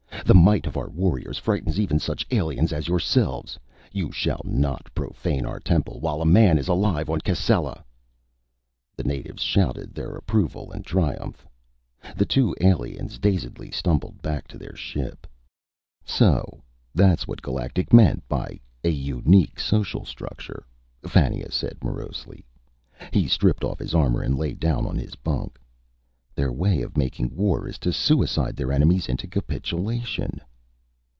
"The might of our warriors frightens even such aliens as yourselves. You shall not profane our temple while a man is alive on Cascella!" The natives shouted their approval and triumph. The two aliens dazedly stumbled back to their ship. "So that's what Galactic meant by 'a unique social structure,'" Fannia said morosely. He stripped off his armor and lay down on his bunk. "Their way of making war is to suicide their enemies into capitulation."